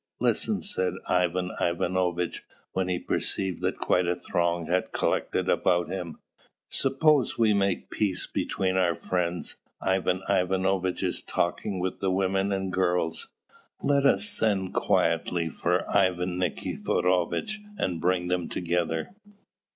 "Listen," said Ivan Ivanovitch, when he perceived that quite a throng had collected about him; "suppose we make peace between our friends. Ivan Ivanovitch is talking with the women and girls; let us send quietly for Ivan Nikiforovitch and bring them together."